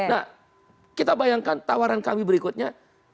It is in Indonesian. nah kita bayangkan tawaran kami berikutnya